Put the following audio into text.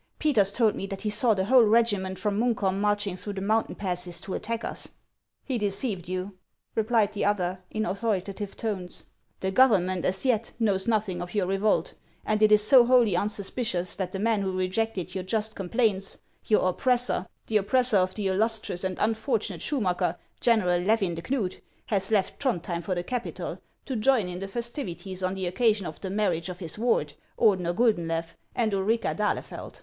u Peters told me that he saw the whole regiment from Munkholm marching through the mountain passes to attack us." " He deceived you," replied the other, in authoritative tones. " The government as yet knows nothing of your revolt, and it is so wholly unsuspicious that the man \vho rejected your just complaints — your oppressor, the op pressor of the illustrious and unfortunate Schumacker, General Levin de Knud — has left Throndhjem for the 344 IIAXS OF ICELAND. capital, to join in the festivities on the occasion of the marriage of his ward, Ordener Guldenlew, and Ulrica d'Ahlefeld."